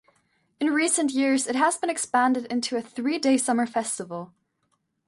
In recent years it has been expanded into a three-day summer festival.